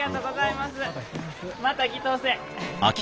また来とおせ。